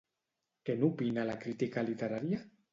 Què n'opina la crítica literària?